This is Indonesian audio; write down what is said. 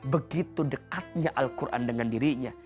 begitu dekatnya al quran dengan dirinya